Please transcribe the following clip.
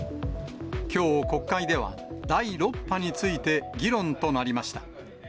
きょう、国会では第６波について議論となりました。